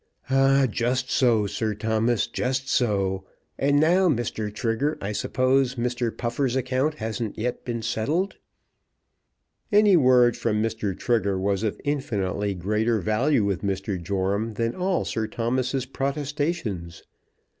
"Ah, just so, Sir Thomas; just so. And now, Mr. Trigger, I suppose Mr. Puffer's account hasn't yet been settled." Any word from Mr. Trigger was of infinitely greater value with Mr. Joram than all Sir Thomas's protestations.